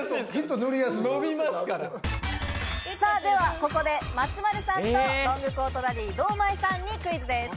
では、ここで松丸さんとロングコートダディ・堂前さんにクイズです。